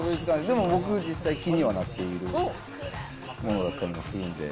でも僕、実際、気にはなっているものだったりもするんで。